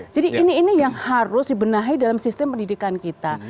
jadi ini yang harus dibenahi dalam sistem pendidikan kita